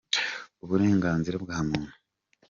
Uburenganzira bwa muntu.